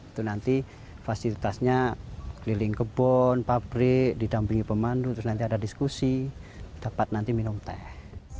itu nanti fasilitasnya keliling kebun pabrik didampingi pemandu terus nanti ada diskusi dapat nanti minum teh